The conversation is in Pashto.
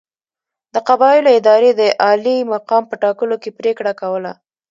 د قبایلو ادارې د عالي مقام په ټاکلو کې پرېکړه کوله.